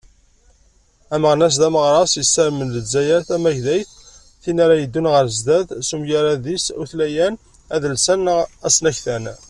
Ameɣnas d ameɣras, yessarmen Lezzayer tamagdayt, tin ara yeddun ɣer sdat s umgarad-is utlayan adelsan neɣ asnaktan.